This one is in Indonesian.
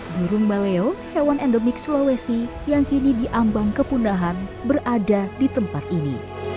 burung maleo hewan endemik sulawesi yang kini diambang kepundahan berada di tempat ini